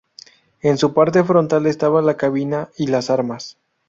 En su parte frontal estaba la cabina y las armas.